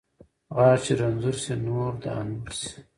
غاښ چې رنځور شي ، نور د انبور شي